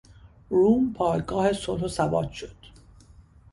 روم پایگاه صلح و ثبات شد.